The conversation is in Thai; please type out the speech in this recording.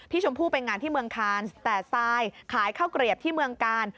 พี่ชมพู่เป็นงานที่เมืองคาร์นแต่ทรายขายเข้าเกลียบที่เมืองการ์น